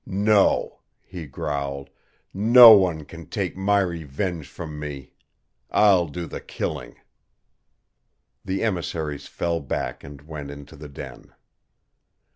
"No," he growled. "No one can take my revenge from me. I'll do the killing." The emissaries fell back and went into the den.